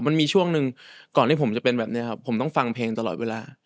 มันมีช่วงหนึ่งก่อนที่ผมจะเป็นแบบนี้ครับผมต้องฟังเพลงตลอดเวลา